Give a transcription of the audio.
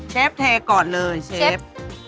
เชฟแทก่อนเลยเชฟ